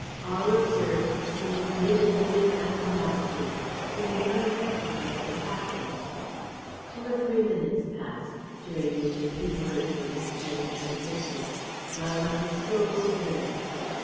All observed the same rigidly impassive attitude, seemed unaffected by what was happening. Two or three minutes passed, during which a few words were exchanged in whispers, while not a soul stirred.